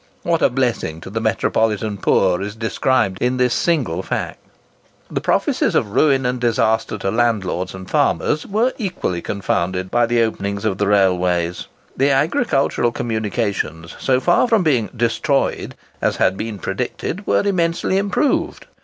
What a blessing to the metropolitan poor is described in this single fact! The prophecies of ruin and disaster to landlords and farmers were equally confounded by the openings of the railways. The agricultural communications, so far from being "destroyed," as had been predicted, were immensely improved.